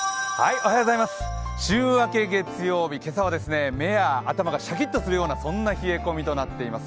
週明け、月曜日、今朝は目や頭がシャキッとするような朝になっています。